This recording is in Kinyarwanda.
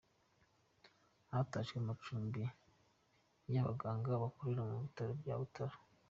Hatashywe amacumbi y’abaganga bakorera ku bitaro bya Butaro